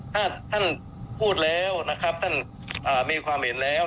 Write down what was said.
ถ้าท่านพูดแล้วนะครับท่านมีความเห็นแล้ว